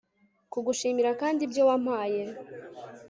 kugushimira, kandi ibyo wampaye